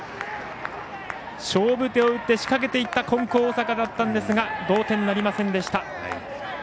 勝負手を打って仕掛けていった金光大阪だったんですが同点になりませんでした。